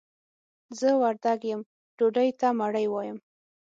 زه وردګ يم ډوډۍ ته مړۍ وايم.